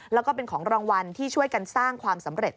แล้วก็เป็นของรางวัลที่ช่วยกันสร้างความสำเร็จ